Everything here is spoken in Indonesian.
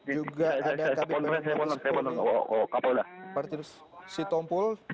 juga ada kapolda partisi tompul